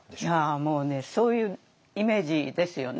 もうねそういうイメージですよね。